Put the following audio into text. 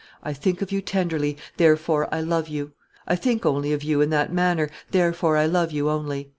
"I think of you tenderly, therefore I love you; I think only of you in that manner, therefore I love you only."